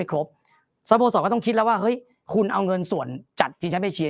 ครบสโมสรก็ต้องคิดแล้วว่าเฮ้ยคุณเอาเงินส่วนจัดชิงแชมป์เอเชีย